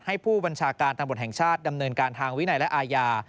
ผู้บัญชาการตำรวจแห่งชาติดำเนินการทางวินัยและอาญา